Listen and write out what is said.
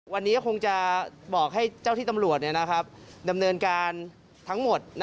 วันนี้ก็คงจะบอกให้เจ้าที่ตำรวจดำเนินการทั้งหมด